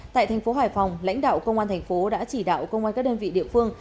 tại thành phố hải phòng lãnh đạo công an thành phố đã chỉ đạo công an các đơn vị địa phương